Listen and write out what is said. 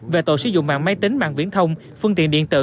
về tội sử dụng mạng máy tính mạng viễn thông phương tiện điện tử